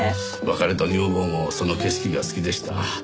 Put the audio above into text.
別れた女房もその景色が好きでした。